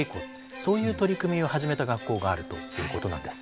そういう取り組みを始めた学校があるということなんです。